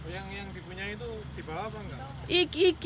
yang dipunyai itu dibawa apa